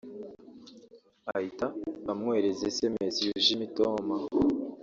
ahita amwoherereza sms yuje imitoma